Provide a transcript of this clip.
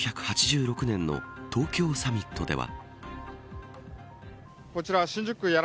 さらに１９８６年の東京サミットでは。